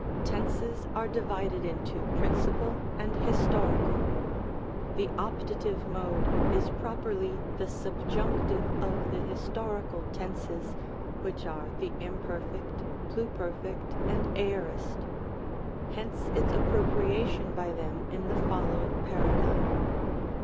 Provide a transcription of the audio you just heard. Tenses are divided into principal and historical The Optative mode is properly the Subjunctive of the historical tenses, which are the Imperf., Pluperfect and Aorist ; hence its appropriation by them in the follow ing Paradigm.